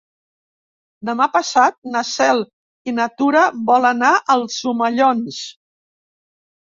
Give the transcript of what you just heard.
Demà passat na Cel i na Tura volen anar als Omellons.